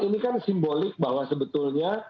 ini kan simbolik bahwa sebetulnya